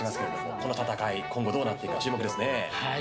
この戦い、今後どうなっていくか注目ですね。